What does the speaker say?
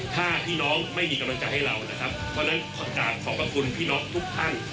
ถ้าพี่น้องไม่มีกำลังใจให้เรานะครับเพราะฉะนั้นขอกราบขอบพระคุณพี่น้องทุกท่าน